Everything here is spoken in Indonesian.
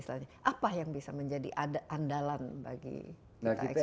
apa yang bisa menjadi andalan bagi kita ekspor